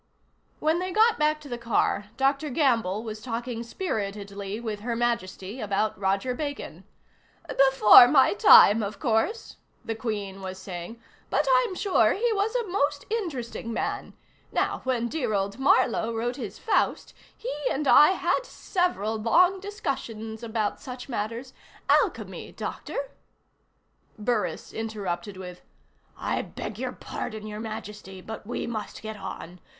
When they got back to the car, Dr. Gamble was talking spiritedly with Her Majesty about Roger Bacon. "Before my time, of course," the Queen was saying, "but I'm sure he was a most interesting man. Now when dear old Marlowe wrote his Faust, he and I had several long discussions about such matters. Alchemy, Doctor " Burris interrupted with: "I beg your pardon, Your Majesty, but we must get on.